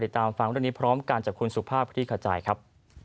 ตามฟังเรื่องนี้พร้อมกันจากคุณสุภาพคลี่ขจายครับ